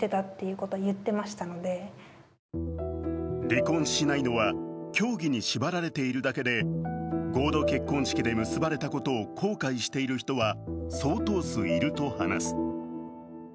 離婚しないのは、教義に縛られているだけで合同結婚式で結ばれたことを後悔している人は相当数いると話す。